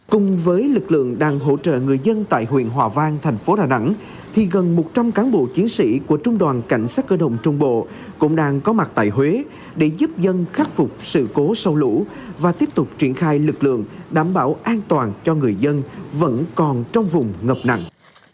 cùng với lực lượng đang hỗ trợ người dân tại huyện hòa vang thành phố đà nẵng thì gần một trăm linh cán bộ chiến sĩ của trung đoàn cảnh sát cơ động trung bộ cũng đang có mặt tại huế để giúp dân khắc phục sự cố sau lũ và tiếp tục triển khai lực lượng đảm bảo an toàn cho người dân vẫn còn trong vùng ngập nặng